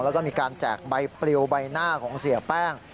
แล้วก็มีการแจกใบปลิวใบหน้าของเสียแป้ง